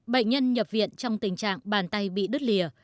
bệnh nhân nhập viện trong tình trạng bàn tay bị đứt lìa